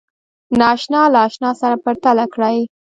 ناآشنا له آشنا سره پرتله کړئ